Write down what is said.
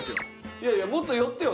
いやいやもっと寄ってよ！